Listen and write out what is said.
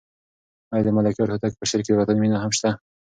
آیا د ملکیار هوتک په شعر کې د وطن مینه هم شته؟